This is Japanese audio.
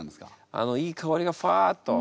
あのいい香りがふわっと。